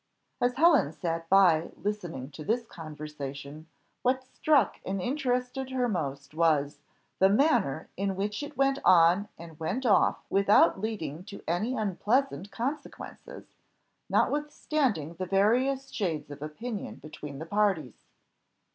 As Helen sat by, listening to this conversation, what struck and interested her most was, the manner in which it went on and went off without leading to any unpleasant consequences, notwithstanding the various shades of opinion between the parties.